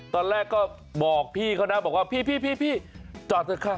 ตอนแรกก็บอกพี่เขานะบอกว่าพี่จอดเถอะค่ะ